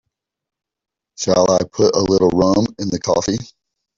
Shall I put a little rum in the coffee?